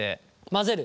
混ぜる。